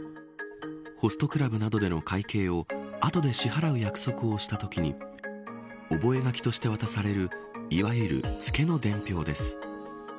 ホストクラブなどでの会計をあとで支払う約束をしたときに覚書として渡されるいわゆるツケの伝票です。